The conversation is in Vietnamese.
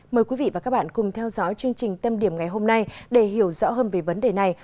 mời quý vị và các bạn cùng theo dõi chương trình tâm điểm ngày hôm nay để hiểu rõ hơn về vấn đề này